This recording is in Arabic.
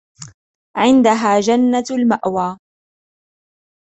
عِنْدَهَا جَنَّةُ الْمَأْوَى